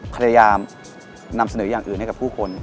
พยายามนำเสนออย่างอื่นให้กับผู้คน